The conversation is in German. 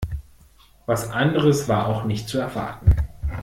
Was anderes war auch nicht zu erwarten.